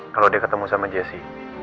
kalau dia ketemu sama jessi